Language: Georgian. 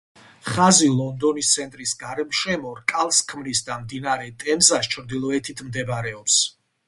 ხაზი ლონდონის ცენტრის გარშემო რკალს ქმნის და მდინარე ტემზას ჩრდილოეთით მდებარეობს.